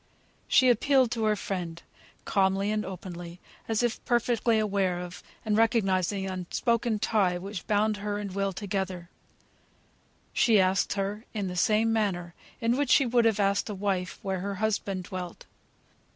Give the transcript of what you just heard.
She appealed to her friend calmly and openly, as if perfectly aware of, and recognising the unspoken tie which bound her and Will together; she asked her in the same manner in which she would have asked a wife where her husband dwelt.